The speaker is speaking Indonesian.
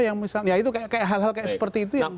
yang misalnya itu kayak hal hal seperti itu